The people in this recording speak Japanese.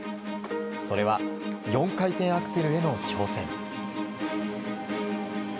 それは、４回転アクセルへの挑戦。